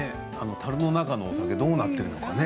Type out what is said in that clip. たるの中のお酒どうなっているのかね。